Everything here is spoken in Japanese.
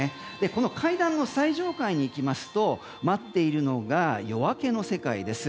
この階段の最上階に行きますと待っているのが夜明けの世界です。